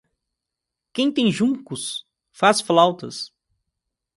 Quem tem juncos faz flautas.